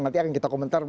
nanti akan kita komentar